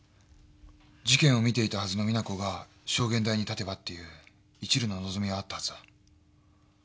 事件を見ていたはずの実那子が証言台に立てばっていういちるの望みはあったはずだ。